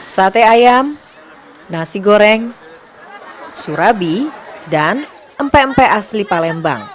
sate ayam nasi goreng surabi dan mpe empe asli palembang